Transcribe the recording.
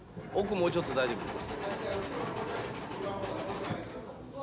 もうちょっと大丈夫です。